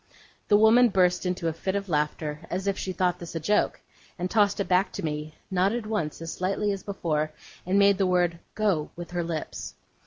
The woman burst into a fit of laughter, as if she thought this a joke, and tossed it back to me, nodded once, as slightly as before, and made the word 'Go!' with her lips.